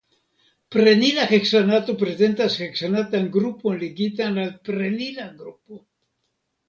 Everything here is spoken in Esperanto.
Prenila heksanato prezentas heksanatan grupon ligitan al prenila grupo.